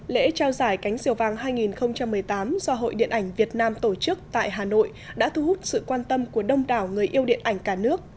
lễ trao giải cánh diều vàng hai nghìn một mươi tám do hội điện ảnh việt nam tổ chức tại hà nội đã thu hút sự quan tâm của đông đảo người yêu điện ảnh cả nước